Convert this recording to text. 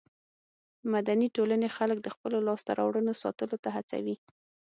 مدني ټولنې خلک د خپلو لاسته راوړنو ساتلو ته هڅوي.